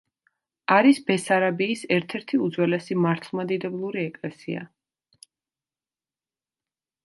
არის ბესარაბიის ერთ-ერთი უძველესი მართლმადიდებლური ეკლესია.